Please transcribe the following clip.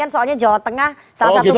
soalnya jawa tengah salah satu background